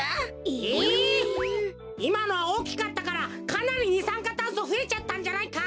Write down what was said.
いまのはおおきかったからかなりにさんかたんそふえちゃったんじゃないか？